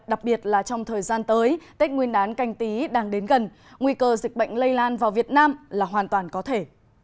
đặc biệt là trong thời gian tới tết nguyên đán canh tí đang đến gần nguy cơ dịch bệnh lây lan vào việt nam là hoàn toàn có thể